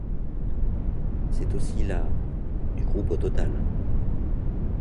C'est aussi la du groupe au total.